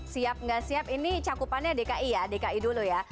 siap nggak siap ini cakupannya dki ya dki dulu ya